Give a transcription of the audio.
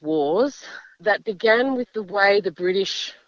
yang mulai dengan cara yang dianggap oleh british